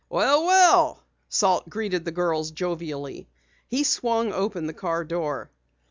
"Well, well," Salt greeted the girls jovially. He swung open the car door.